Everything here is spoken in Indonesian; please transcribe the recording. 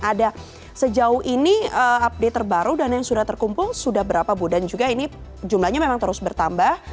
ada sejauh ini update terbaru dana yang sudah terkumpul sudah berapa bu dan juga ini jumlahnya memang terus bertambah